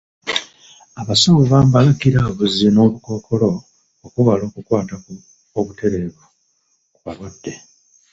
Abasawo bambala giraavuzi n'obukookola okwewala okukwata obutereevu ku balwadde.